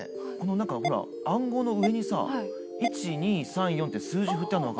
何かほら暗号の上にさ１２３４って数字振ってあんの分かる？